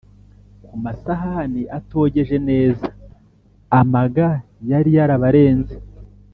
ku masahani atogeje neza, amaga yari yarabarenze,